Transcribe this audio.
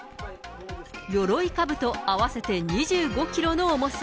よろいかぶと合わせて２５キロの重さ。